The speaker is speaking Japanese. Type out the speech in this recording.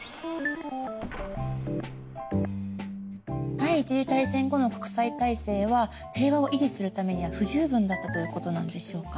第一次大戦後の国際体制は平和を維持するためには不十分だったということなんでしょうか？